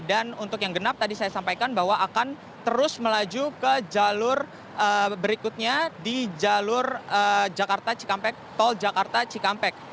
dan untuk yang genap tadi saya sampaikan bahwa akan terus melaju ke jalur berikutnya di jalur jakarta cikampek tol jakarta cikampek